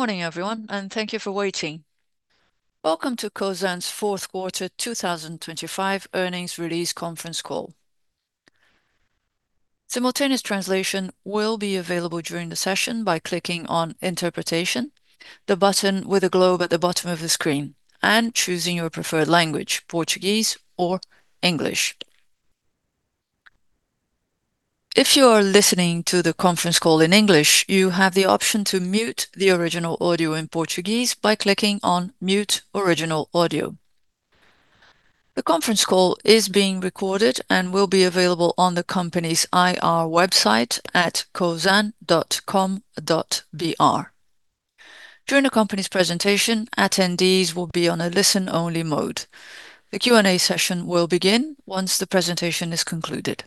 Good morning, everyone, and thank you for waiting. Welcome to Cosan's Fourth Quarter 2025 Earnings Release Conference Call. Simultaneous translation will be available during the session by clicking on Interpretation, the button with a globe at the bottom of the screen, and choosing your preferred language, Portuguese or English. If you are listening to the conference call in English, you have the option to mute the original audio in Portuguese by clicking on Mute Original Audio. The conference call is being recorded and will be available on the company's IR website at cosan.com.br. During the company's presentation, attendees will be on a listen-only mode. The Q&A session will begin once the presentation is concluded.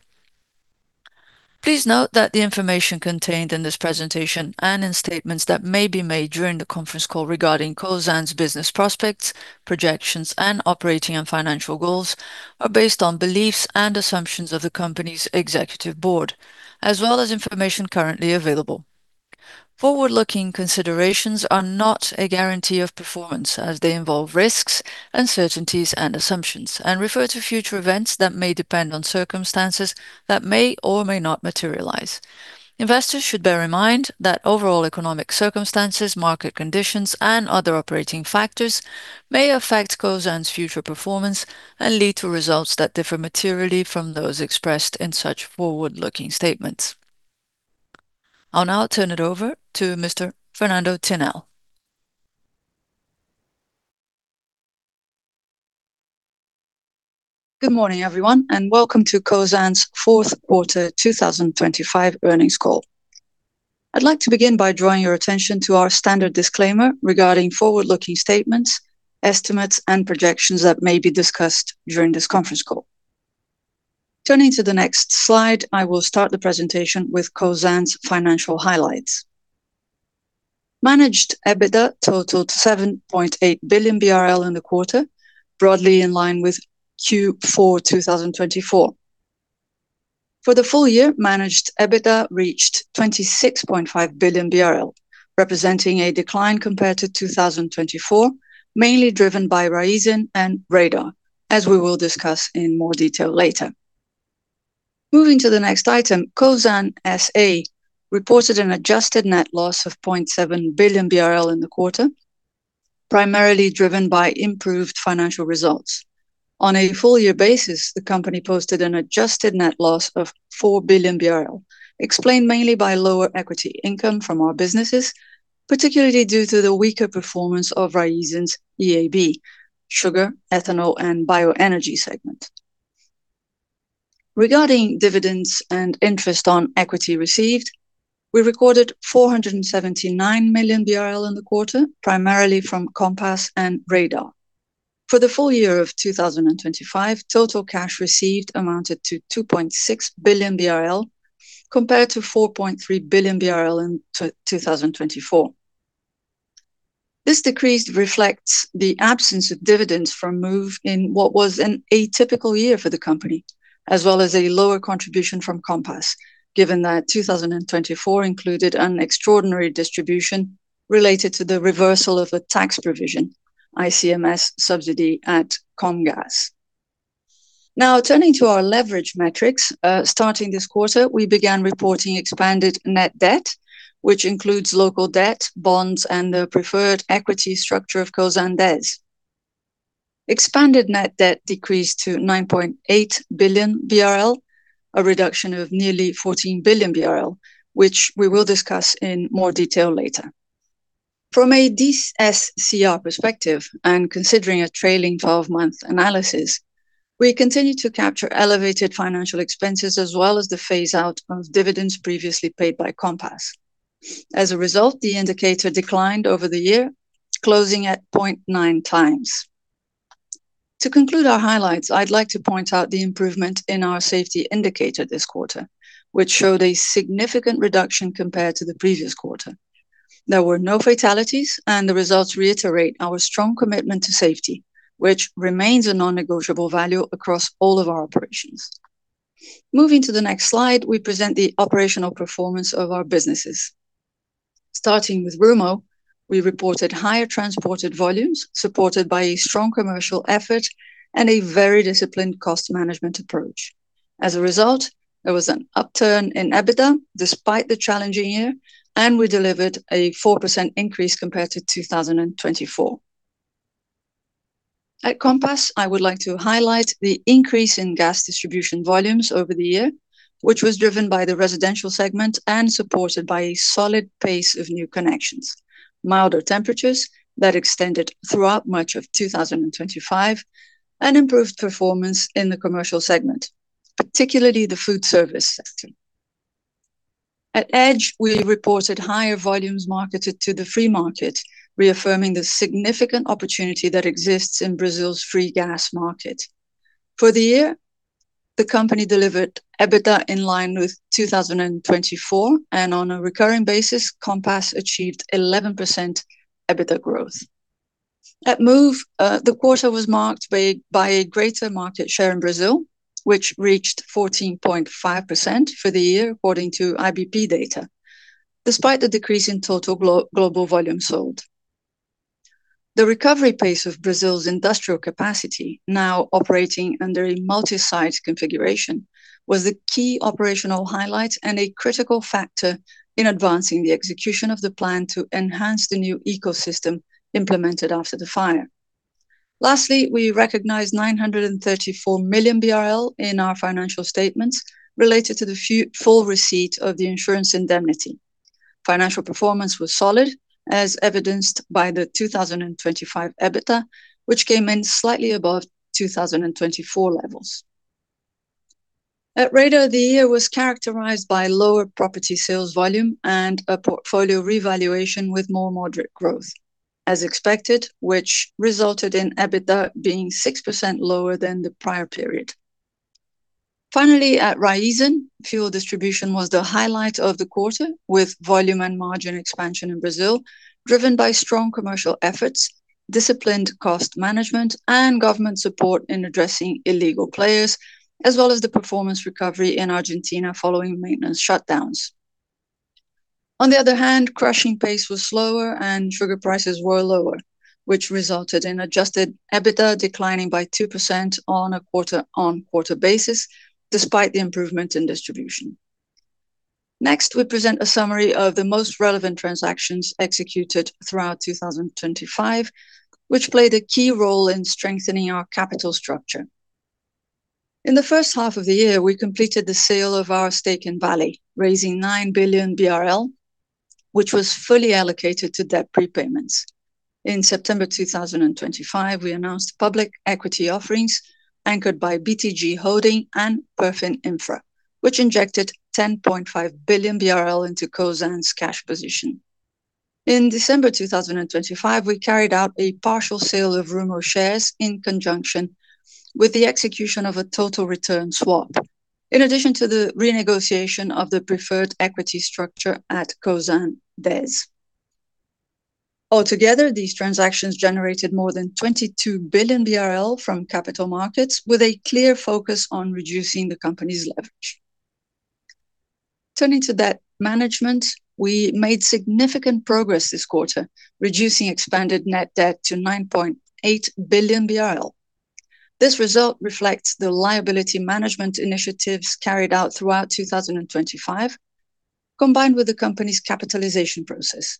Please note that the information contained in this presentation and in statements that may be made during the conference call regarding Cosan's business prospects, projections, and operating and financial goals are based on beliefs and assumptions of the company's executive board, as well as information currently available. Forward-looking considerations are not a guarantee of performance as they involve risks, uncertainties, and assumptions, and refer to future events that may depend on circumstances that may or may not materialize. Investors should bear in mind that overall economic circumstances, market conditions, and other operating factors may affect Cosan's future performance and lead to results that differ materially from those expressed in such forward-looking statements. I'll now turn it over to Mr. Fernando Tinel. Good morning, everyone, and welcome to Cosan's Fourth Quarter 2025 Earnings Call. I'd like to begin by drawing your attention to our standard disclaimer regarding forward-looking statements, estimates, and projections that may be discussed during this conference call. Turning to the next slide, I will start the presentation with Cosan's financial highlights. Managed EBITDA totaled 7.8 billion BRL in the quarter, broadly in line with Q4 2024. For the full year, managed EBITDA reached 26.5 billion BRL, representing a decline compared to 2024, mainly driven by Raízen and Radar, as we will discuss in more detail later. Moving to the next item, Cosan SA reported an adjusted net loss of 0.7 billion BRL in the quarter, primarily driven by improved financial results. On a full year basis, the company posted an adjusted net loss of 4 billion BRL, explained mainly by lower equity income from our businesses, particularly due to the weaker performance of Raízen's ESB, sugar, ethanol, and bioenergy segment. Regarding dividends and interest on equity received, we recorded 479 million BRL in the quarter, primarily from Compass and Radar. For the full year of 2025, total cash received amounted to 2.6 billion BRL compared to 4.3 billion BRL in 2024. This decrease reflects the absence of dividends from Moove in what was an atypical year for the company, as well as a lower contribution from Compass, given that 2024 included an extraordinary distribution related to the reversal of a tax provision, ICMS subsidy at Comgás. Now turning to our leverage metrics, starting this quarter, we began reporting expanded net debt, which includes local debt, bonds, and the preferred equity structure of Cosan Dez. Expanded net debt decreased to 9.8 billion BRL, a reduction of nearly 14 billion BRL, which we will discuss in more detail later. From a DSCR perspective, and considering a trailing twelve-month analysis, we continue to capture elevated financial expenses as well as the phase out of dividends previously paid by Compass. As a result, the indicator declined over the year, closing at 0.9 times. To conclude our highlights, I'd like to point out the improvement in our safety indicator this quarter, which showed a significant reduction compared to the previous quarter. There were no fatalities, and the results reiterate our strong commitment to safety, which remains a non-negotiable value across all of our operations. Moving to the next slide, we present the operational performance of our businesses. Starting with Rumo, we reported higher transported volumes, supported by a strong commercial effort and a very disciplined cost management approach. As a result, there was an upturn in EBITDA despite the challenging year, and we delivered a 4% increase compared to 2024. At Compass, I would like to highlight the increase in gas distribution volumes over the year, which was driven by the residential segment and supported by a solid pace of new connections, milder temperatures that extended throughout much of 2025, and improved performance in the commercial segment, particularly the food service sector. At Edge, we reported higher volumes marketed to the free market, reaffirming the significant opportunity that exists in Brazil's free gas market. For the year, the company delivered EBITDA in line with 2024, and on a recurring basis, Compass achieved 11% EBITDA growth. At Moove, the quarter was marked by a greater market share in Brazil, which reached 14.5% for the year according to IBP data, despite the decrease in total global volume sold. The recovery pace of Brazil's industrial capacity, now operating under a multi-site configuration, was the key operational highlight and a critical factor in advancing the execution of the plan to enhance the new ecosystem implemented after the fire. Lastly, we recognized 934 million BRL in our financial statements related to the full receipt of the insurance indemnity. Financial performance was solid, as evidenced by the 2025 EBITDA, which came in slightly above 2024 levels. At Raízen, the year was characterized by lower property sales volume and a portfolio revaluation with more moderate growth, as expected, which resulted in EBITDA being 6% lower than the prior period. Finally, at Raízen, fuel distribution was the highlight of the quarter, with volume and margin expansion in Brazil driven by strong commercial efforts, disciplined cost management, and government support in addressing illegal players, as well as the performance recovery in Argentina following maintenance shutdowns. On the other hand, crushing pace was slower and sugar prices were lower, which resulted in Adjusted EBITDA declining by 2% on a quarter-on-quarter basis despite the improvement in distribution. Next, we present a summary of the most relevant transactions executed throughout 2025, which played a key role in strengthening our capital structure. In the first half of the year, we completed the sale of our stake in Vale, raising 9 billion BRL, which was fully allocated to debt prepayments. In September 2025, we announced public equity offerings anchored by BTG Pactual and Perfin Infra, which injected 10.5 billion BRL into Cosan's cash position. In December 2025, we carried out a partial sale of Rumo shares in conjunction with the execution of a total return swap, in addition to the renegotiation of the preferred equity structure at Cosan Dez. Altogether, these transactions generated more than 22 billion BRL from capital markets with a clear focus on reducing the company's leverage. Turning to debt management, we made significant progress this quarter, reducing expanded net debt to 9.8 billion BRL. This result reflects the liability management initiatives carried out throughout 2025, combined with the company's capitalization process.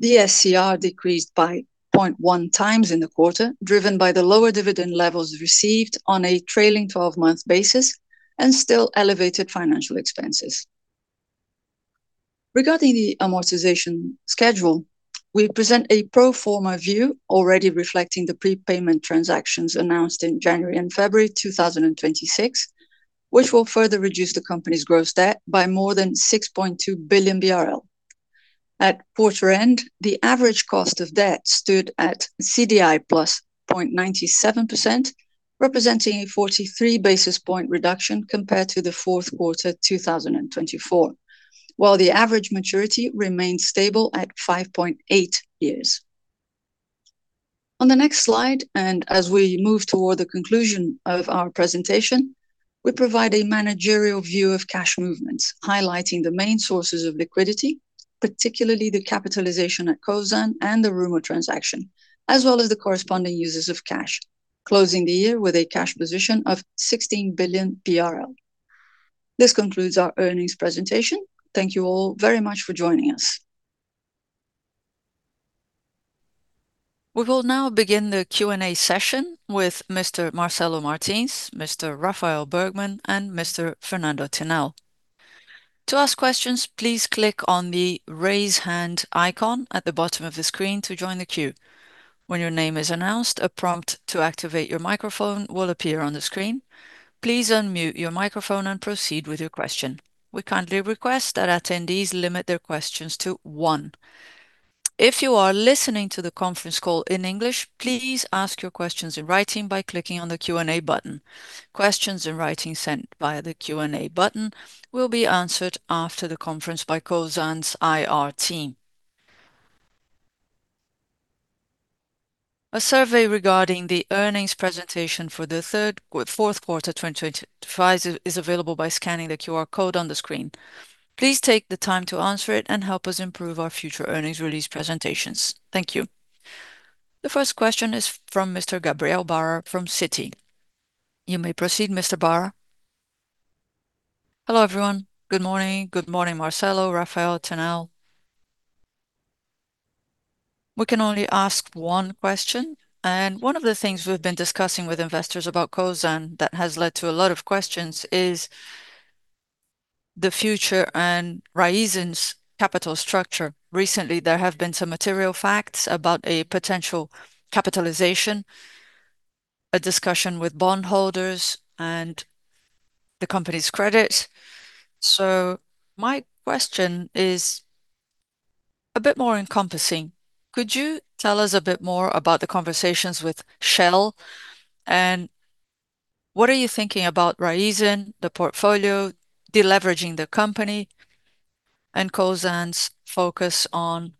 The DSCR decreased by 0.1x in the quarter, driven by the lower dividend levels received on a trailing twelve-month basis and still elevated financial expenses. Regarding the amortization schedule, we present a pro forma view already reflecting the prepayment transactions announced in January and February 2026, which will further reduce the company's gross debt by more than 6.2 billion BRL. At quarter end, the average cost of debt stood at CDI + 0.97%, representing a 43 basis point reduction compared to the fourth quarter 2024, while the average maturity remained stable at 5.8 years. On the next slide, and as we move toward the conclusion of our presentation, we provide a managerial view of cash movements, highlighting the main sources of liquidity, particularly the capitalization at Cosan and the Rumo transaction, as well as the corresponding uses of cash, closing the year with a cash position of 16 billion. This concludes our earnings presentation. Thank you all very much for joining us. We will now begin the Q&A session with Mr. Marcelo Martins, Mr. Rafael Bergman, and Mr. Fernando Tinel. To ask questions, please click on the Raise Hand icon at the bottom of the screen to join the queue. When your name is announced, a prompt to activate your microphone will appear on the screen. Please unmute your microphone and proceed with your question. We kindly request that attendees limit their questions to one. If you are listening to the conference call in English, please ask your questions in writing by clicking on the Q&A button. Questions in writing sent via the Q&A button will be answered after the conference by Cosan's IR team. A survey regarding the earnings presentation for the fourth quarter 2025 is available by scanning the QR code on the screen. Please take the time to answer it and help us improve our future earnings release presentations. Thank you. The first question is from Mr. Gabriel Barra from Citi. You may proceed, Mr. Barra. Hello, everyone. Good morning. Good morning, Marcelo, Rafael, Tinel. We can only ask one question, and one of the things we've been discussing with investors about Cosan that has led to a lot of questions is the future and Raízen's capital structure. Recently, there have been some material facts about a potential capitalization, a discussion with bond holders and the company's credit. My question is a bit more encompassing. Could you tell us a bit more about the conversations with Shell? What are you thinking about Raízen, the portfolio, de-leveraging the company, and Cosan's focus on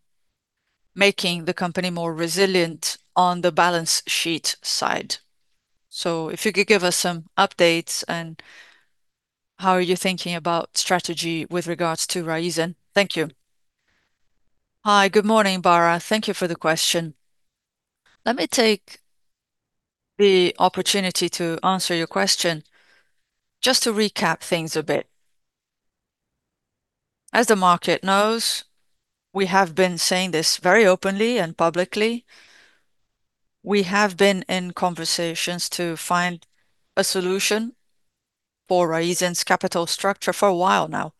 making the company more resilient on the balance sheet side? If you could give us some updates, and how are you thinking about strategy with regards to Raízen? Thank you. Hi. Good morning, Barra. Thank you for the question. Let me take the opportunity to answer your question just to recap things a bit. As the market knows, we have been saying this very openly and publicly. We have been in conversations to find a solution for Raízen's capital structure for a while now.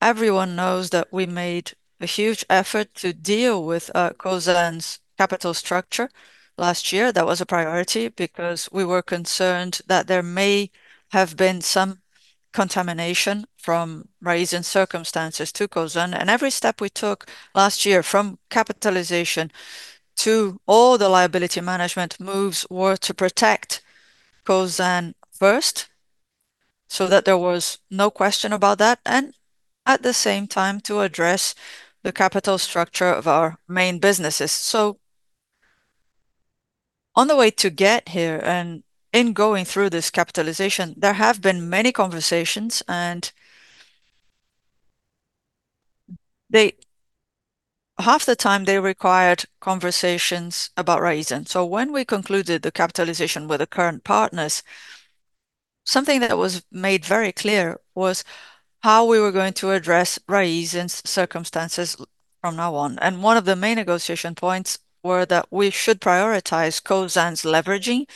Everyone knows that we made a huge effort to deal with Cosan's capital structure last year. That was a priority because we were concerned that there may have been some contamination from Raízen circumstances to Cosan. Every step we took last year from capitalization to all the liability management moves were to protect Cosan first, so that there was no question about that, and at the same time to address the capital structure of our main businesses. On the way to get here, and in going through this capitalization, there have been many conversations, and they half the time they required conversations about Raízen. When we concluded the capitalization with the current partners, something that was made very clear was how we were going to address Raízen's circumstances from now on. One of the main negotiation points were that we should prioritize Cosan's leveraging.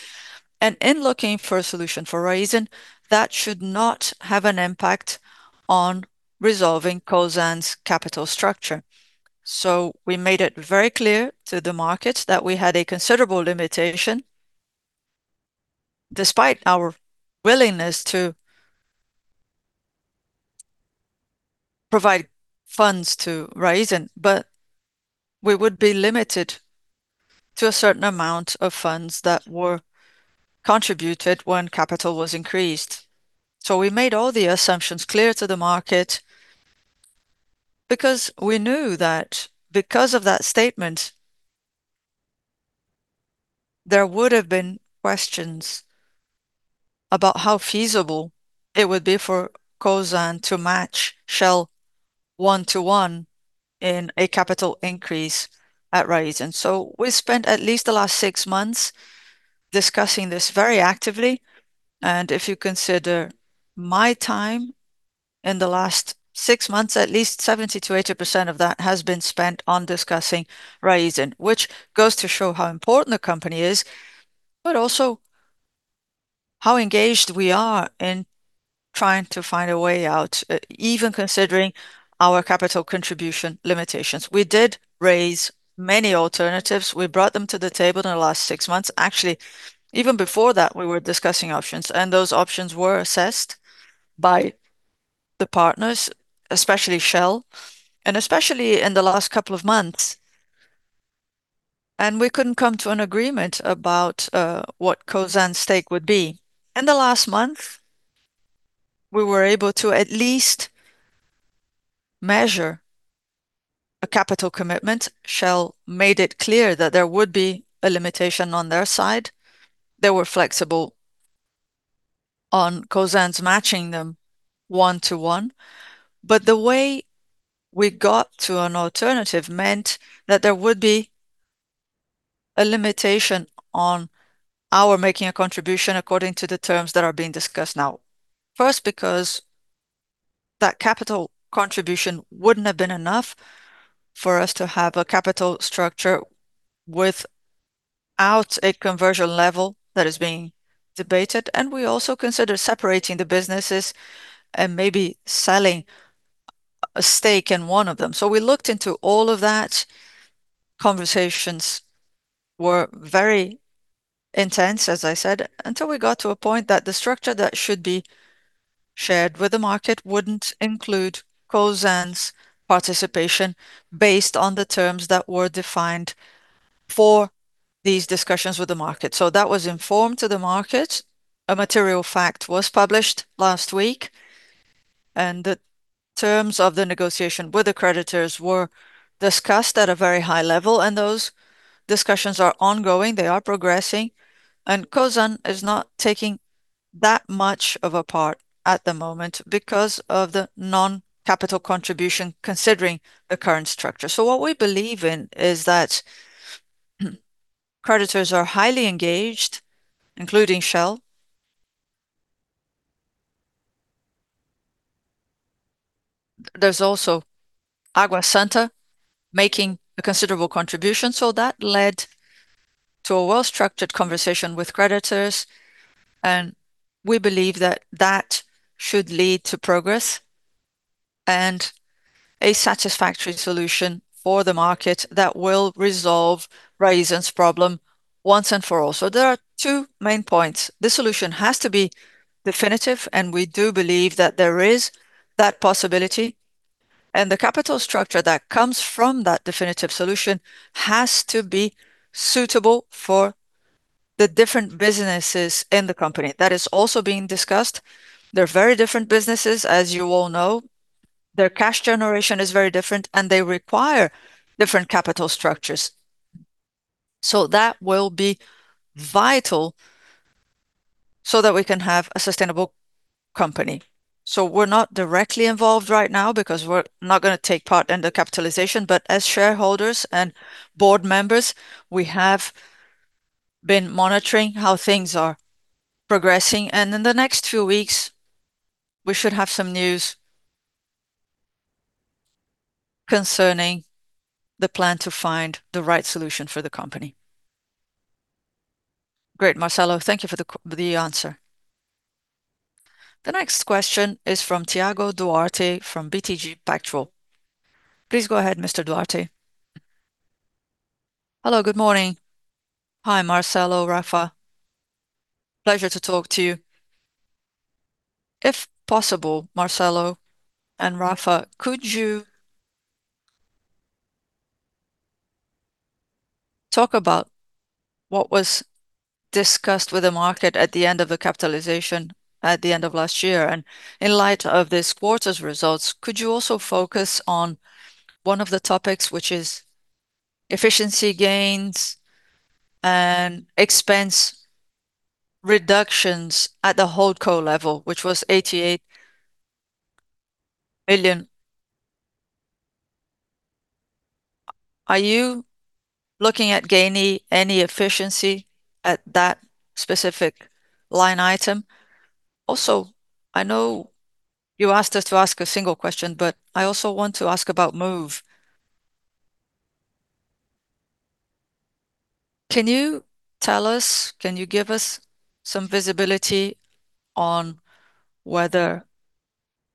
In looking for a solution for Raízen, that should not have an impact on resolving Cosan's capital structure. We made it very clear to the market that we had a considerable limitation despite our willingness to provide funds to Raízen, but we would be limited to a certain amount of funds that were contributed when capital was increased. We made all the assumptions clear to the market because we knew that because of that statement, there would have been questions about how feasible it would be for Cosan to match Shell one-to-one in a capital increase at Raízen. We spent at least the last six months discussing this very actively. If you consider my time in the last six months, at least 70%-80% of that has been spent on discussing Raízen, which goes to show how important the company is, but also how engaged we are in trying to find a way out, even considering our capital contribution limitations. We did raise many alternatives. We brought them to the table in the last six months. Actually, even before that, we were discussing options, and those options were assessed by the partners, especially Shell, and especially in the last couple of months, and we couldn't come to an agreement about what Cosan's stake would be. In the last month, we were able to at least match a capital commitment. Shell made it clear that there would be a limitation on their side. They were flexible on Cosan's matching them one-to-one. The way we got to an alternative meant that there would be a limitation on our making a contribution according to the terms that are being discussed now. First, because that capital contribution wouldn't have been enough for us to have a capital structure without a conversion level that is being debated, and we also consider separating the businesses and maybe selling a stake in one of them. We looked into all of that. Conversations were very intense, as I said, until we got to a point that the structure that should be shared with the market wouldn't include Cosan's participation based on the terms that were defined for these discussions with the market. That was informed to the market. A material fact was published last week, and the terms of the negotiation with the creditors were discussed at a very high level, and those discussions are ongoing. They are progressing, and Cosan is not taking that much of a part at the moment because of the non-capital contribution considering the current structure. What we believe in is that creditors are highly engaged, including Shell. There's also Água Santa making a considerable contribution. That led to a well-structured conversation with creditors, and we believe that that should lead to progress and a satisfactory solution for the market that will resolve Raízen's problem once and for all. There are two main points. The solution has to be definitive, and we do believe that there is that possibility. The capital structure that comes from that definitive solution has to be suitable for the different businesses in the company. That is also being discussed. They're very different businesses, as you all know. Their cash generation is very different, and they require different capital structures. That will be vital so that we can have a sustainable company. We're not directly involved right now because we're not gonna take part in the capitalization. But as shareholders and board members, we have been monitoring how things are progressing, and in the next few weeks we should have some news concerning the plan to find the right solution for the company. Great, Marcelo. Thank you for the answer. The next question is from TiThiago Duarte from BTG Pactual. Please go ahead, Mr. Duarte. Hello, good morning. Hi, Marcelo, Rafa. Pleasure to talk to you. If possible, Marcelo and Rafa, could you talk about what was discussed with the market at the end of the capitalization at the end of last year? In light of this quarter's results, could you also focus on one of the topics, which is efficiency gains and expense reductions at the holdco level, which was 88 million. Are you looking at gaining any efficiency at that specific line item? Also, I know you asked us to ask a single question, but I also want to ask about Moove. Can you tell us, can you give us some visibility on whether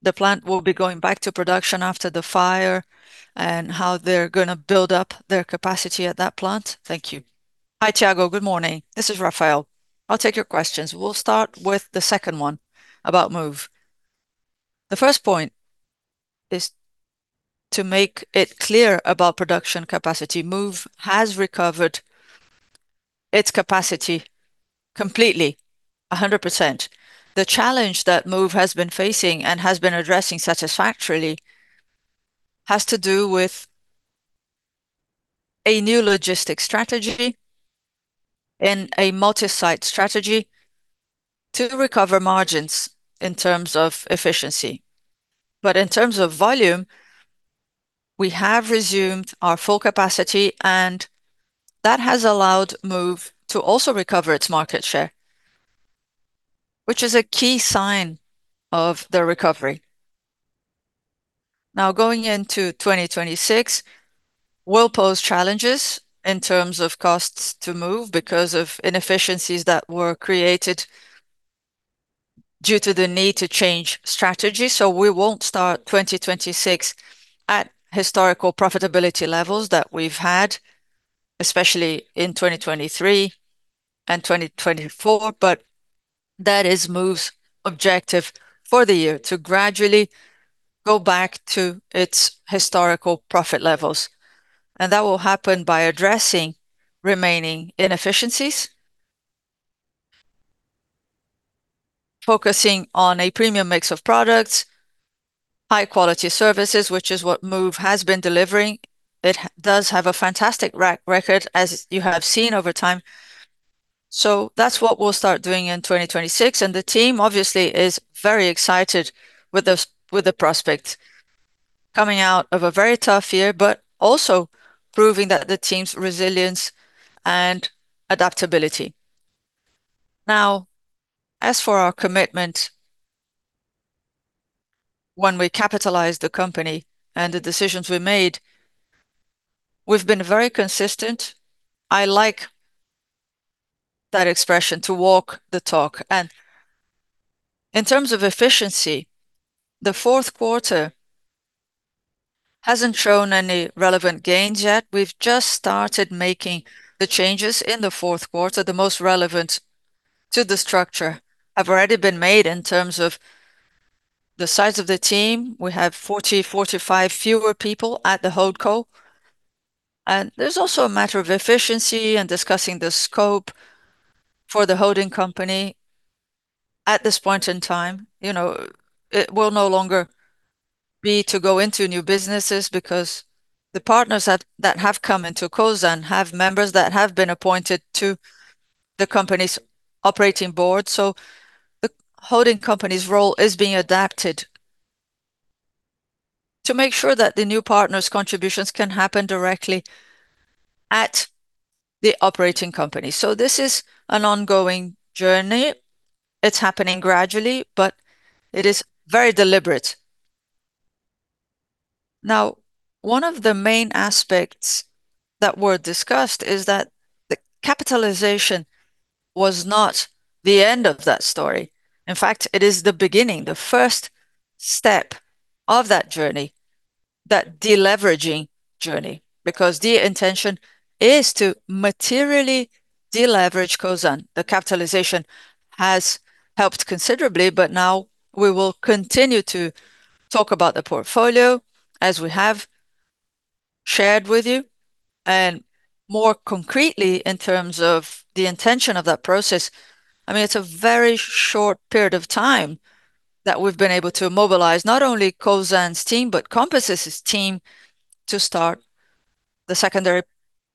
the plant will be going back to production after the fire and how they're gonna build up their capacity at that plant? Thank you. Hi, Tiago. Good morning. This is Rafael. I'll take your questions. We'll start with the second one about Moove. The first point is to make it clear about production capacity. Moove has recovered its capacity completely, 100%. The challenge that Moove has been facing and has been addressing satisfactorily has to do with a new logistics strategy and a multi-site strategy to recover margins in terms of efficiency. In terms of volume, we have resumed our full capacity, and that has allowed Moove to also recover its market share, which is a key sign of the recovery. Now, going into 2026 will pose challenges in terms of costs to Moove because of inefficiencies that were created due to the need to change strategy. We won't start 2026 at historical profitability levels that we've had, especially in 2023 and 2024. That is Moove's objective for the year, to gradually go back to its historical profit levels, and that will happen by addressing remaining inefficiencies, focusing on a premium mix of products, high-quality services, which is what Moove has been delivering. It does have a fantastic record, as you have seen over time. That's what we'll start doing in 2026, and the team obviously is very excited with this, with the prospect, coming out of a very tough year, but also proving that the team's resilience and adaptability. Now, as for our commitment when we capitalized the company and the decisions we made, we've been very consistent. I like that expression, to walk the talk. In terms of efficiency, the fourth quarter hasn't shown any relevant gains yet. We've just started making the changes in the fourth quarter. The most relevant to the structure have already been made in terms of the size of the team. We have 40-45 fewer people at the holdco. There's also a matter of efficiency and discussing the scope for the holding company at this point in time. You know, it will no longer be to go into new businesses because the partners that have come into Cosan have members that have been appointed to the company's operating board. The holding company's role is being adapted to make sure that the new partners' contributions can happen directly at the operating company. This is an ongoing journey. It's happening gradually, but it is very deliberate. Now, one of the main aspects that were discussed is that the capitalization was not the end of that story. In fact, it is the beginning, the first step of that journey, that deleveraging journey, because the intention is to materially deleverage Cosan. The capitalization has helped considerably, but now we will continue to talk about the portfolio as we have shared with you. More concretely in terms of the intention of that process, I mean, it's a very short period of time that we've been able to mobilize, not only Cosan's team, but Compass' team to start the secondary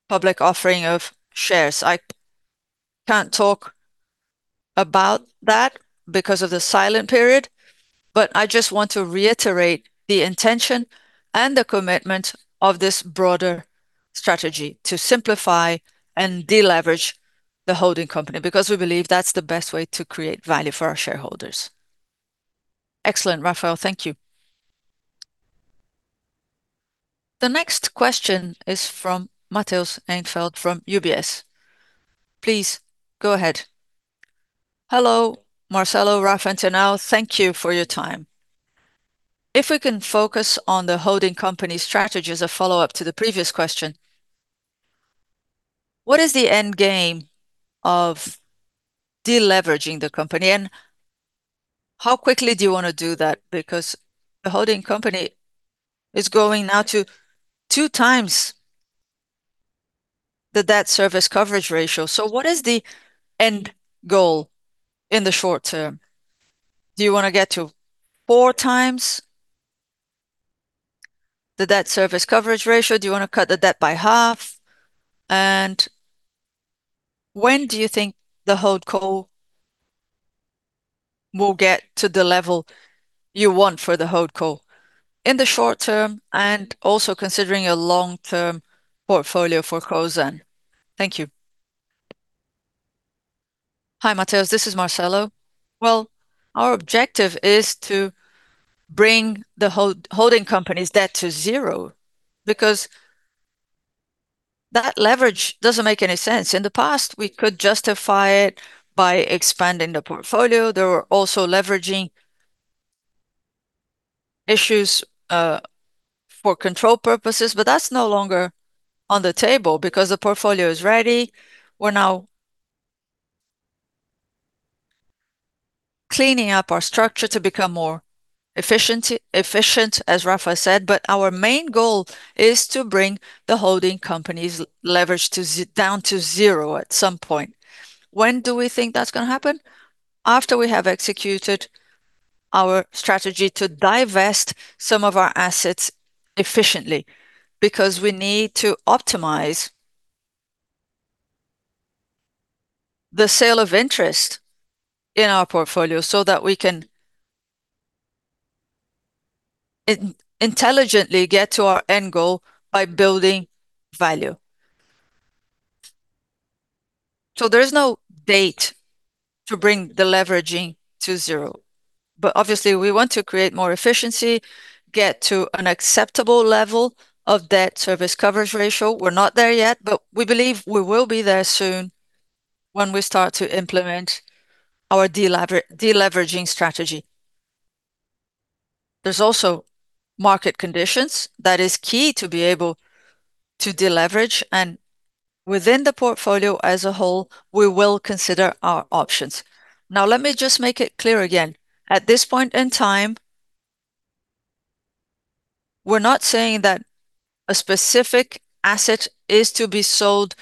public offering of shares. I can't talk about that because of the silent period, but I just want to reiterate the intention and the commitment of this broader strategy to simplify and deleverage the holding company, because we believe that's the best way to create value for our shareholders. Excellent, Rafael. Thank you. The next question is from Matheus Enfeldt from UBS. Please go ahead. Hello, Marcelo, Rafa, Tinel. Thank you for your time. If we can focus on the holding company strategy as a follow-up to the previous question, what is the end game of deleveraging the company, and how quickly do you wanna do that? Because the holding company is going now to 2x the Debt Service Coverage Ratio. What is the end goal in the short term? Do you wanna get to 4x the Debt Service Coverage Ratio? Do you wanna cut the debt by half? When do you think the HoldCo will get to the level you want for the HoldCo in the short term and also considering a long-term portfolio for Cosan? Thank you. Hi, Matheus. This is Marcelo. Well, our objective is to bring the holding company's debt to zero because that leverage doesn't make any sense. In the past, we could justify it by expanding the portfolio. There were also leveraging issues for control purposes, but that's no longer on the table because the portfolio is ready. We're now cleaning up our structure to become more efficient, as Rafa said, but our main goal is to bring the holding company's leverage down to zero at some point. When do we think that's gonna happen? After we have executed our strategy to divest some of our assets efficiently, because we need to optimize the sale of interest in our portfolio so that we can intelligently get to our end goal by building value. There's no date to bring the leveraging to zero. Obviously, we want to create more efficiency, get to an acceptable level of Debt Service Coverage Ratio. We're not there yet, but we believe we will be there soon when we start to implement our deleveraging strategy. There's also market conditions that is key to be able to deleverage, and within the portfolio as a whole, we will consider our options. Now let me just make it clear again. At this point in time, we're not saying that a specific asset is to be sold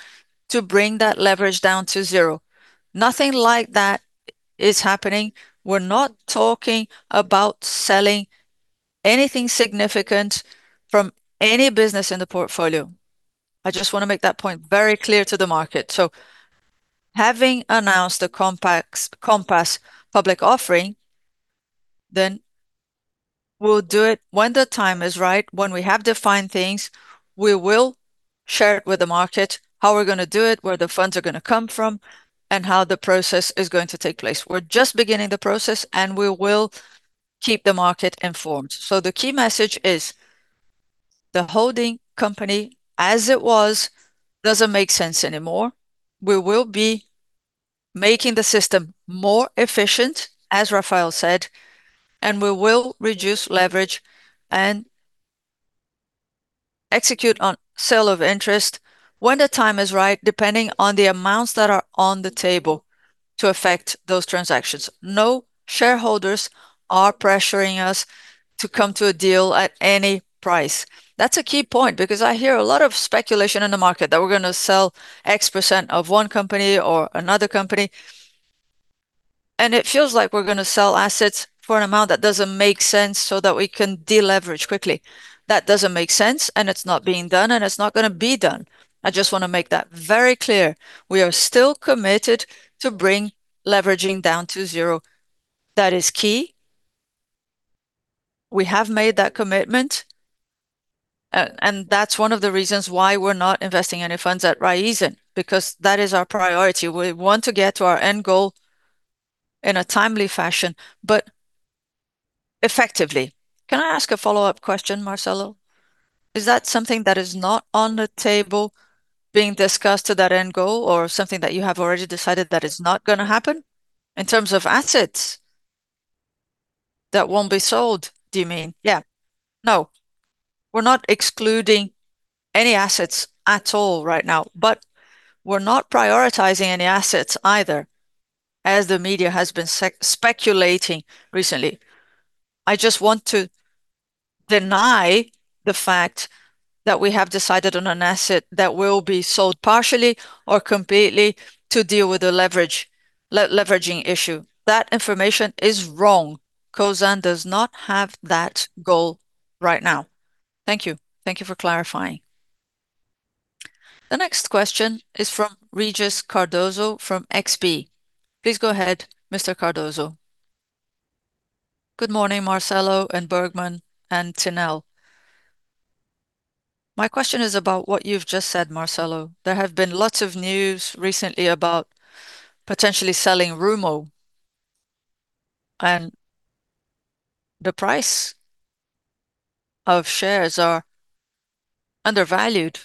to bring that leverage down to zero. Nothing like that is happening. We're not talking about selling anything significant from any business in the portfolio. I just wanna make that point very clear to the market. Having announced the Compass public offering, then we'll do it when the time is right. When we have defined things, we will share it with the market, how we're gonna do it, where the funds are gonna come from, and how the process is going to take place. We're just beginning the process, and we will keep the market informed. The key message is the holding company, as it was, doesn't make sense anymore. We will be making the system more efficient, as Rafael said, and we will reduce leverage and execute on sale of interest when the time is right, depending on the amounts that are on the table to affect those transactions. No shareholders are pressuring us to come to a deal at any price. That's a key point because I hear a lot of speculation in the market that we're gonna sell X% of one company or another company, and it feels like we're gonna sell assets for an amount that doesn't make sense so that we can deleverage quickly. That doesn't make sense, and it's not being done, and it's not gonna be done. I just wanna make that very clear. We are still committed to bring leveraging down to zero. That is key. We have made that commitment. That's one of the reasons why we're not investing any funds at Raízen, because that is our priority. We want to get to our end goal in a timely fashion but effectively. Can I ask a follow-up question, Marcelo? Is that something that is not on the table being discussed to that end goal or something that you have already decided that is not gonna happen? In terms of assets that won't be sold, do you mean? Yeah. No. We're not excluding any assets at all right now, but we're not prioritizing any assets either, as the media has been speculating recently. I just want to deny the fact that we have decided on an asset that will be sold partially or completely to deal with the leveraging issue. That information is wrong. Cosan does not have that goal right now. Thank you. Thank you for clarifying. The next question is from Regis Cardoso from XP. Please go ahead, Mr. Cardoso. Good morning, Marcelo, Bergman and Tinel. My question is about what you've just said, Marcelo. There have been lots of news recently about potentially selling Rumo, and the price of shares are undervalued.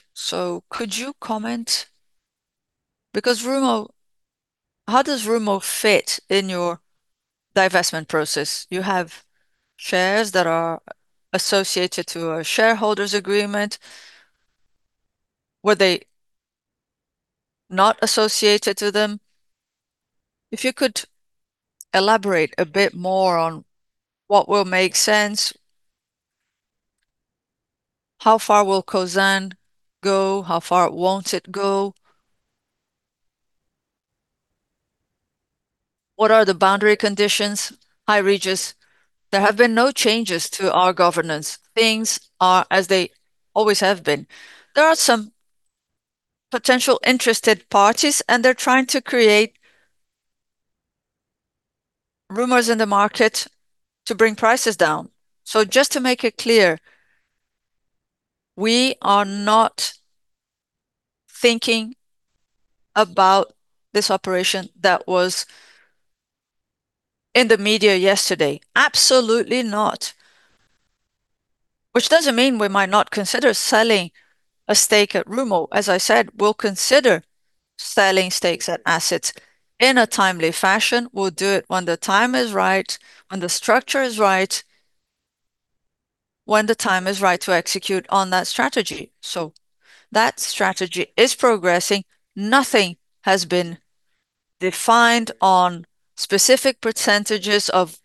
Could you comment, because Rumo. How does Rumo fit in your divestment process? You have shares that are associated to a shareholders agreement. Were they not associated to them? If you could elaborate a bit more on what will make sense. How far will Cosan go? How far won't it go? What are the boundary conditions? Hi, Regis. There have been no changes to our governance. Things are as they always have been. There are some potential interested parties, and they're trying to create rumors in the market to bring prices down. Just to make it clear, we are not thinking about this operation that was in the media yesterday. Absolutely not. Which doesn't mean we might not consider selling a stake in Rumo. As I said, we'll consider selling stakes in assets in a timely fashion. We'll do it when the time is right, when the structure is right, when the time is right to execute on that strategy. That strategy is progressing. Nothing has been defined on specific percentages of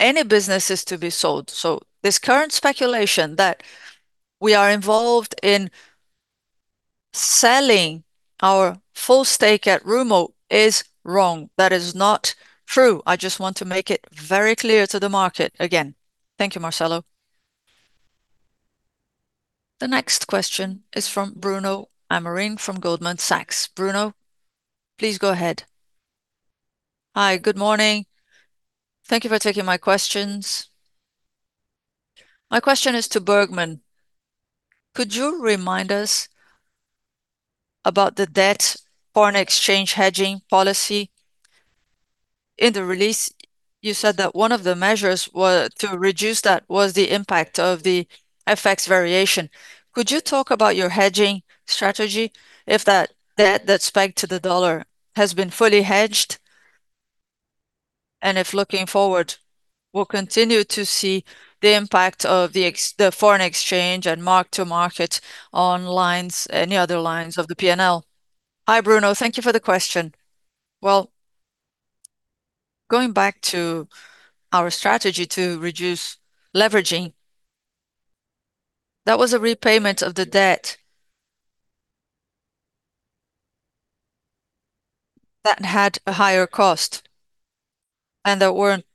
any businesses to be sold. This current speculation that we are involved in selling our full stake in Rumo is wrong. That is not true. I just want to make it very clear to the market again. Thank you, Marcelo. The next question is from Bruno Amorim from Goldman Sachs. Bruno, please go ahead. Hi, good morning. Thank you for taking my questions. My question is to Bergman. Could you remind us about the debt foreign exchange hedging policy? In the release, you said that one of the measures to reduce that was the impact of the FX variation. Could you talk about your hedging strategy if that debt that's pegged to the US dollar has been fully hedged, and if looking forward, we'll continue to see the impact of the foreign exchange and mark to market on lines, any other lines of the P&L. Hi, Bruno. Thank you for the question. Well, going back to our strategy to reduce leveraging, that was a repayment of the debt that had a higher cost and that weren't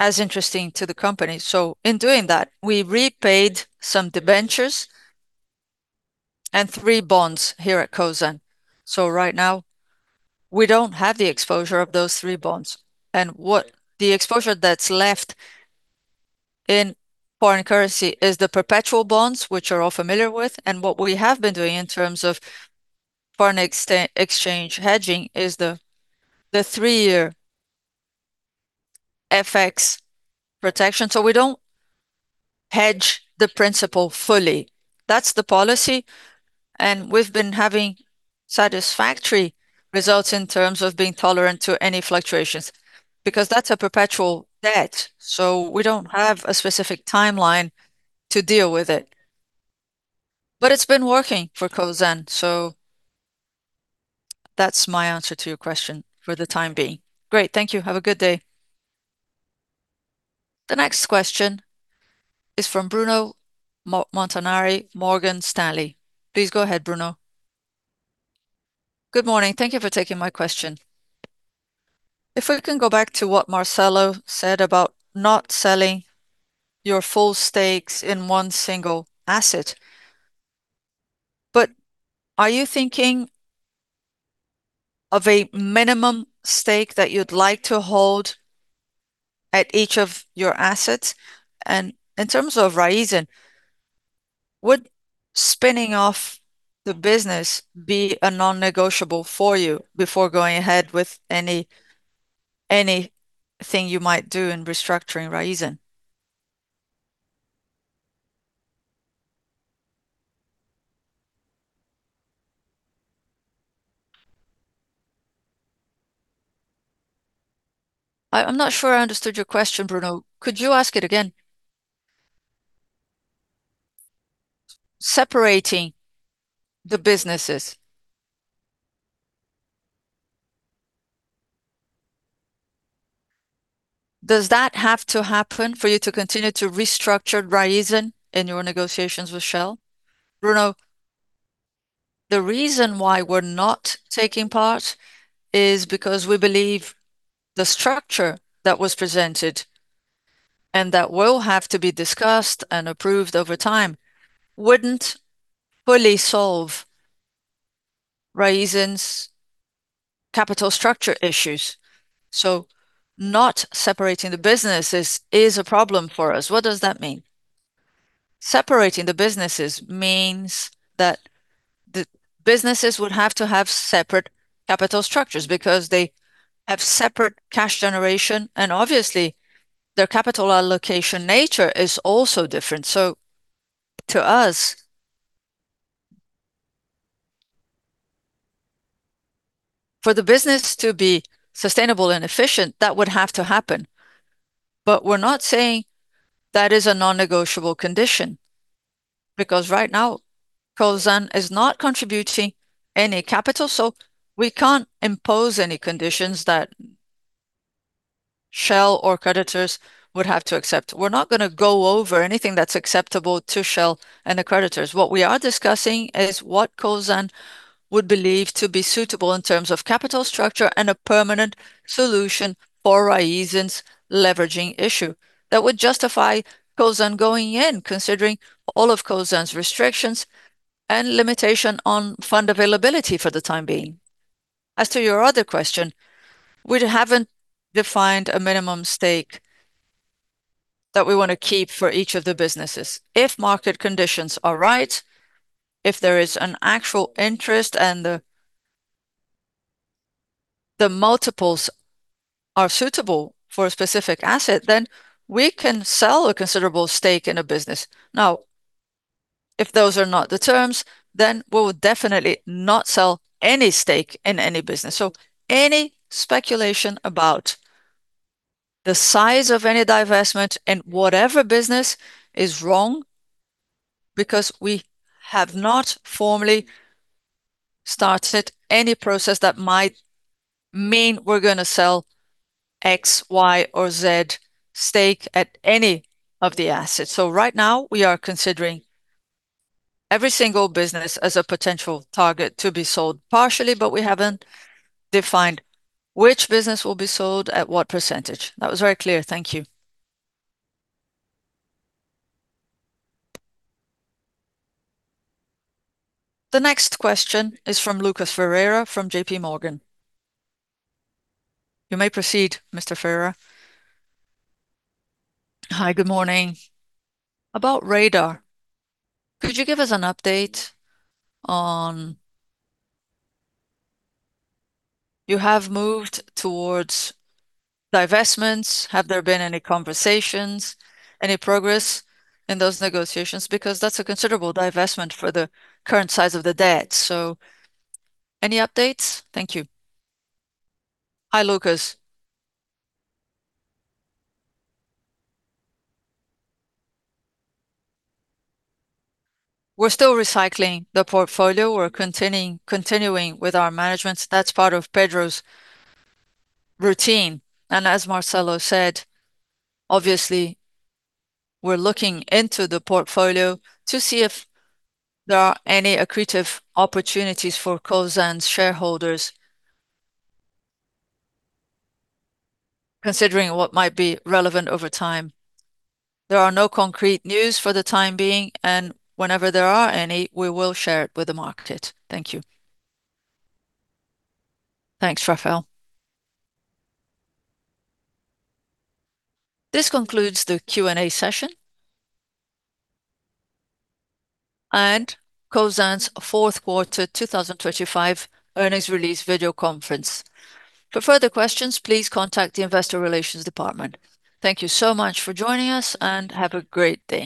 as interesting to the company. So in doing that, we repaid some debentures and 3 bonds here at Cosan. Right now, we don't have the exposure of those 3 bonds. What the exposure that's left in foreign currency is the perpetual bonds, which we're all familiar with. What we have been doing in terms of foreign exchange hedging is the three-year FX protection. We don't hedge the principal fully. That's the policy, and we've been having satisfactory results in terms of being tolerant to any fluctuations because that's a perpetual debt, so we don't have a specific timeline to deal with it. It's been working for Cosan, so that's my answer to your question for the time being. Great. Thank you. Have a good day. The next question is from Bruno Montanari, Morgan Stanley. Please go ahead, Bruno. Good morning. Thank you for taking my question. If we can go back to what Marcelo said about not selling your full stakes in one single asset. Are you thinking of a minimum stake that you'd like to hold at each of your assets? In terms of Raízen, would spinning off the business be a non-negotiable for you before going ahead with any thing you might do in restructuring Raízen? I'm not sure I understood your question, Bruno. Could you ask it again? Separating the businesses. Does that have to happen for you to continue to restructure Raízen in your negotiations with Shell? Bruno, the reason why we're not taking part is because we believe the structure that was presented, and that will have to be discussed and approved over time, wouldn't fully solve Raízen's capital structure issues. Not separating the businesses is a problem for us. What does that mean? Separating the businesses means that the businesses would have to have separate capital structures because they have separate cash generation, and obviously their capital allocation nature is also different. To us, for the business to be sustainable and efficient, that would have to happen. We're not saying that is a non-negotiable condition, because right now Cosan is not contributing any capital, so we can't impose any conditions that Shell or creditors would have to accept. We're not gonna go over anything that's acceptable to Shell and the creditors. What we are discussing is what Cosan would believe to be suitable in terms of capital structure and a permanent solution for Raízen's leveraging issue that would justify Cosan going in, considering all of Cosan's restrictions and limitation on fund availability for the time being. As to your other question, we haven't defined a minimum stake that we wanna keep for each of the businesses. If market conditions are right, if there is an actual interest and the multiples are suitable for a specific asset, then we can sell a considerable stake in a business. Now, if those are not the terms, then we will definitely not sell any stake in any business. Any speculation about the size of any divestment in whatever business is wrong, because we have not formally started any process that might mean we're gonna sell X, Y, or Z stake at any of the assets. Right now we are considering every single business as a potential target to be sold partially, but we haven't defined which business will be sold at what percentage. That was very clear, thank you. The next question is from Lucas Ferreira from JPMorgan. You may proceed, Mr. Ferreira. Hi, good morning. About Radar, could you give us an update on. You have moved towards divestments. Have there been any conversations, any progress in those negotiations? Because that's a considerable divestment for the current size of the debt. So any updates? Thank you. Hi, Lucas. We're still recycling the portfolio. We're continuing with our management. That's part of Pedro's routine. As Marcelo said, obviously we're looking into the portfolio to see if there are any accretive opportunities for Cosan's shareholders, considering what might be relevant over time. There are no concrete news for the time being, and whenever there are any, we will share it with the market. Thank you. Thanks, Rafael. This concludes the Q&A session and Cosan's fourth quarter 2025 earnings release video conference. For further questions, please contact the investor relations department. Thank you so much for joining us and have a great day.